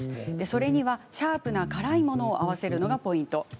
それにはシャープな辛いものを合わせるのがポイント。